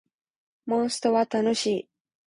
モンストは楽しい